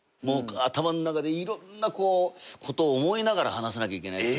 頭の中でいろんなことを思いながら話さなきゃいけない。